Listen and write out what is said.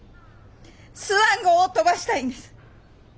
スワン号を飛ばしたいんです！